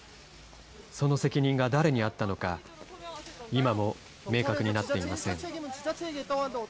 その責任が誰にあったのか、今も明確になっていません。